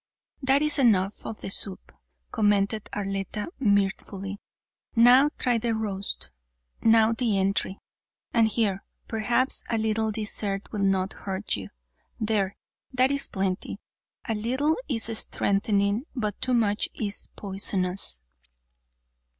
"That is enough of the soup," commented Arletta mirthfully, "now try the roast; now the entree; and here, perhaps, a little dessert will not hurt you; there, that is plenty; a little is strengthening but too much is poisonous.